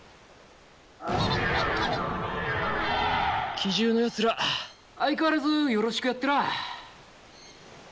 奇獣のやつら相変わらずよろしくやってらあ。